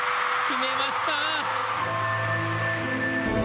決めました！